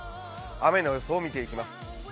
雨の予想を見ていきます。